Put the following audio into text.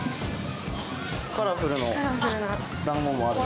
カラフルのだんごもあるね。